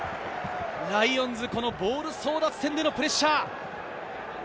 ライオンズ、ボール争奪戦でのプレッシャー。